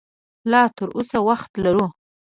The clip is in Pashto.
لا تراوسه وخت لرو